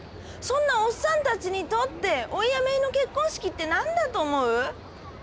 そんなおっさんたちにとって甥や姪の結婚式って何だと思う？